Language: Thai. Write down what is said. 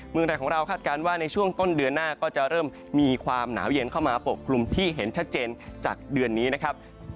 เมืองไทยของเราคาดการณ์ว่าในช่วงต้นเดือนหน้าก็จะเริ่มมีความหนาวเย็นเข้ามาปกคลุมที่เห็นชัดเจนจากเดือนนี้นะครับ